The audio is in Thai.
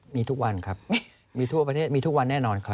มีทุกวันครับมีทั่วประเทศมีทุกวันแน่นอนครับ